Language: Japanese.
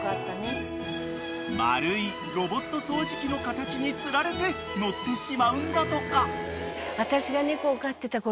［まるいロボット掃除機の形に釣られて乗ってしまうんだとか］